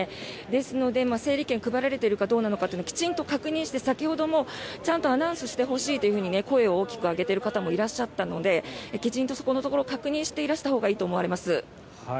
ですので、整理券が配られてるのかどうなのかをきちんと確認して先ほどもちゃんとアナウンスしてほしいというふうに声を大きく上げている方もいらっしゃったのできちんとそこのところを確認していらしたほうがいいと思います。